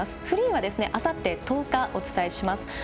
フリーは、あさって１０日お伝えします。